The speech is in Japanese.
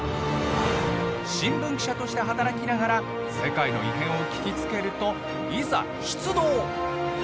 新聞記者として働きながら世界の異変を聞きつけるといざ出動！